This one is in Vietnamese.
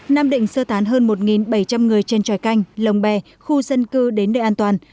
nam định sơ tán hơn một bảy trăm linh người trên tròi canh lồng bè khu dân cư đến nơi an toàn